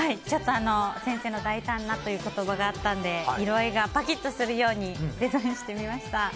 ちょっと先生の大胆なという言葉があったので色合いがパキッとするようにデザインしてみました。